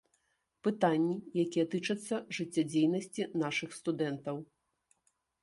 Пытанні, якія тычацца жыццядзейнасці нашых студэнтаў.